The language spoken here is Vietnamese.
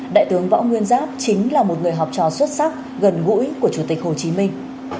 đại tướng võ nguyên giáp chính là một người học trò xuất sắc gần gũi của chủ tịch hồ chí minh